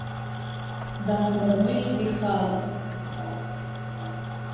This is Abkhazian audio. Даанырмыжьит ихала.